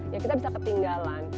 ya kita bisa ketinggalan